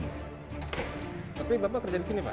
tapi bapak kerja di sini pak